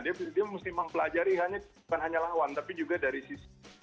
dia mesti mempelajari bukan hanya lawan tapi juga dari sisi